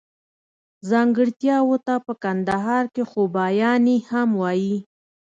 ځانګړتياوو ته په کندهار کښي خوباياني هم وايي.